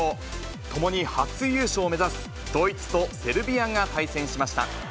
ともに初優勝を目指すドイツとセルビアが対戦しました。